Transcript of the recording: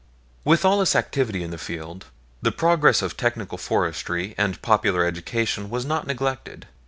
With all this activity in the field, the progress of technical forestry and popular education was not neglected.